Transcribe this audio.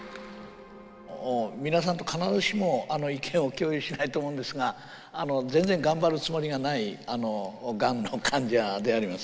皆さんと必ずしも意見を共有しないと思うんですが全然頑張るつもりがないがんの患者であります。